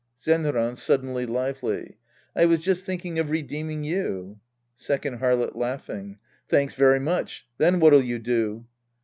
Zenran {suddenly lively'). I was just thinking of redeeming you. Second Harlot {laughing). Thanks very much. Then what'll you do